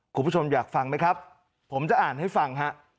คุณผู้ชมอยากฟังไหมครับผมจะอ่านให้ฟังฮะ